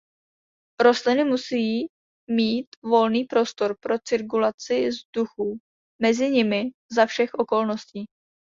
Rostliny musí mít volný prostor pro cirkulaci vzduchu mezi nimi za všech okolností.